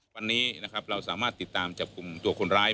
วันนี้นะครับเราสามารถติดตามจับกลุ่มตัวคนร้าย